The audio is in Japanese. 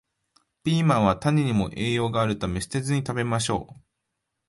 ピーマンは種にも栄養があるため、捨てずに食べましょう